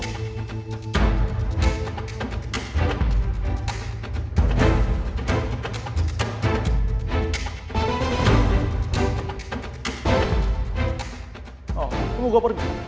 oh kamu mau gue pergi